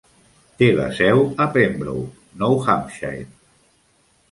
Té la seu a Pembroke, Nou Hampshire.